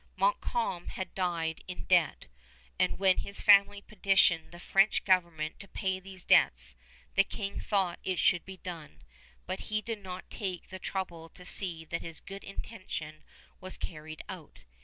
Montcalm had died in debt, and when his family petitioned the French government to pay these debts, the King thought it should be done, but he did not take the trouble to see that his good intention was carried out.